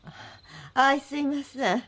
あいすみません。